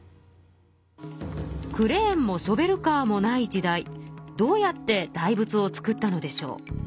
クレーンもショベルカーもない時代どうやって大仏を造ったのでしょう？